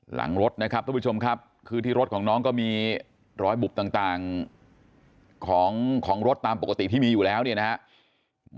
หลังรถนะครับทุกผู้ชมครับคือที่รถของน้องก็มีรอยบุบต่างของรถตามปกติที่มีอยู่แล้วเนี่ยนะครับ